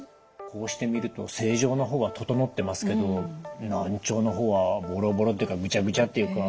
こうして見ると正常な方は整ってますけど難聴の方はボロボロっていうかグチャグチャっていうか。